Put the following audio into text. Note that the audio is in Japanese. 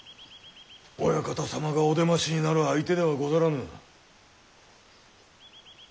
お屋形様がお出ましになる相手ではござらぬ。